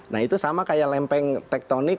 nah itu sama kayak lempeng tektonik